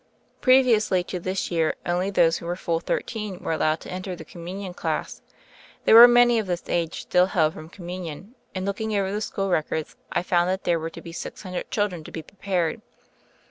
Previously to this year, only those who were full thirteen were allowed to enter the Communion class. There were many of this age still held from Communion, and look ing over the school records I found that there were to be six hundred children to be prepared.